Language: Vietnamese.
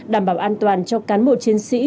đảm bảo an toàn cho cán bộ chiến sĩ